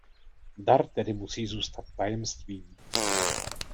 Dar tedy musí zůstat tajemstvím.